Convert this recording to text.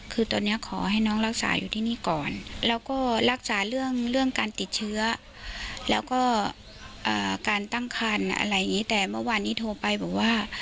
แล้วก็อ่าการตั้งคันอะไรอย่างงี้แต่เมื่อวานนี้โทรไปบอกว่า